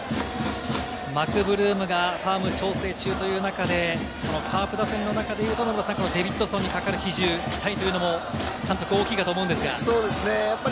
マクブルームがファーム調整中という中で、カープ打線の中でいうと、このデビッドソンにかかる比重・期待というのも、そうですね。